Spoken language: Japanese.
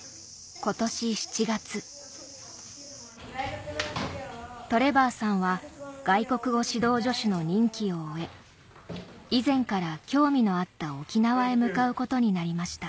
わぁトレバーさんは外国語指導助手の任期を終え以前から興味のあった沖縄へ向かうことになりました